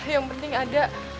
yang penting ada